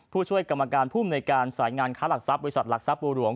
ผู้ช่วยกรรมการภูมิในการสายงานค้าหลักทรัพย์บริษัทหลักทรัพย์บัวหลวง